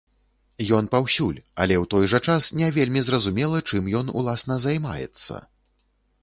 Ён паўсюль, але ў той жа час не вельмі зразумела, чым ён, уласна, займаецца.